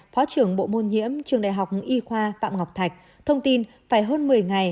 phó trưởng bộ môn nhiễm trường đại học y khoa phạm ngọc thạch thông tin phải hơn một mươi ngày